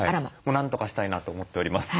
なんとかしたいなと思っております。